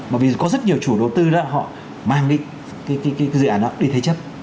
bởi vì có rất nhiều chủ đầu tư đó họ mang đi cái dự án đó đi thế chấp